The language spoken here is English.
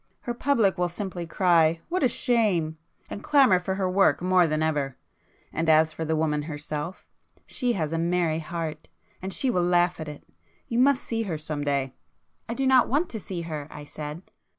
Her public will simply cry "what a shame!" and clamour for her work more than ever. And as for the woman herself,—she has a merry heart, and she will laugh at it. You must see her some day." "I don't want to see her," I said.